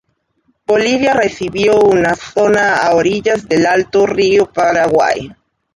Bolivia recibió una zona a orillas del alto río Paraguay.